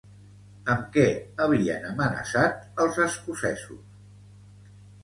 Amb què havien amenaçat els escocesos?